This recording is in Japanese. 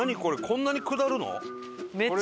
こんなに下るの？